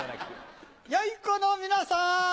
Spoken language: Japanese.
良い子の皆さん！